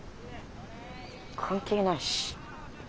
関係ないし。